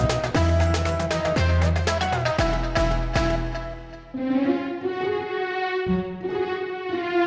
masa sebelum program engine